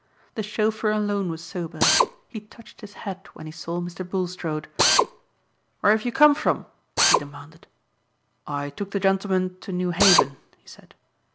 The chauffeur alone was sober. He touched his hat when he saw Mr. Bulstrode. "Where have you come from?" he demanded. "I took the gentlemen to New Haven," he said.